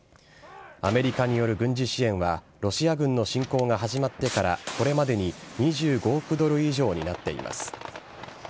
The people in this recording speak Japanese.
アメリカによる軍事支援はロシア軍の侵攻が始まってからこれまでに２５億ドル以上になっています。